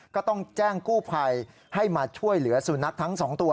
ก็ต้องแจ้งกู้ภัยให้มาช่วยเหลือสุนัขทั้งสองตัว